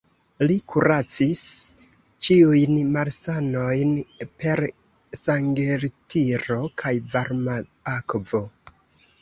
Li kuracis ĉiujn malsanojn per sangeltiro kaj varma akvo.